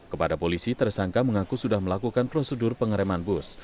kepada polisi tersangka mengaku sudah melakukan prosedur pengereman bus